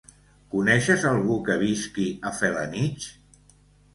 Coneixes algú que visqui a Felanitx?